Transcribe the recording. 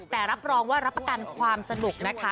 แต่รับรองว่ารับประกันความสนุกนะคะ